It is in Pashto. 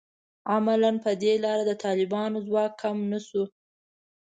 عملاً په دې لاره د طالبانو ځواک کم نه شو